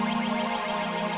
tapi tidak penyanyi sahikan